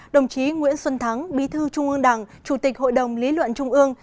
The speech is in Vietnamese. đồng chí nguyễn xuân thắng bí thư trung ương đảng chủ tịch hội đồng lý luận trung ương